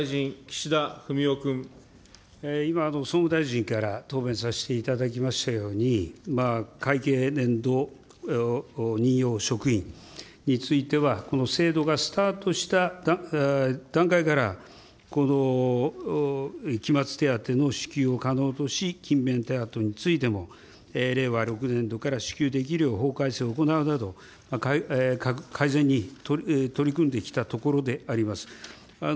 今の総務大臣から答弁させていただきましたように、会計年度任用職員については、この制度がスタートした段階から、期末手当の支給を可能とし、勤勉手当についても令和６年度から支給できるよう法改正を行うなど、改善に取り組んできたところであります。